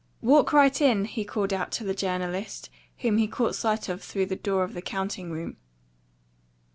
"Walk right in!" he called out to the journalist, whom he caught sight of through the door of the counting room.